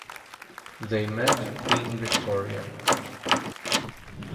They met Queen Victoria.